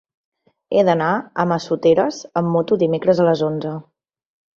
He d'anar a Massoteres amb moto dimecres a les onze.